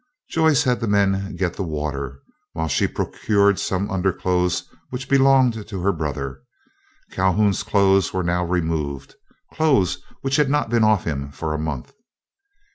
Joyce had the men get the water, while she procured some underclothes which belonged to her brother. Calhoun's clothes were now removed, clothes which had not been off him for a month.